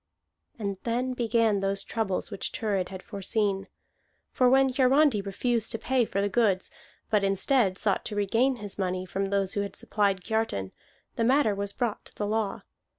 And then began those troubles which Thurid had foreseen. For when Hiarandi refused to pay for the goods, but instead sought to regain his money from those who had supplied Kiartan, the matter was brought to the law.